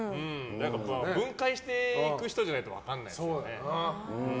分解していく人じゃないと分からないですよね。